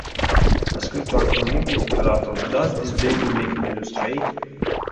Ha scritto anche un libro intitolato "Does This Baby Make Me Look Straight?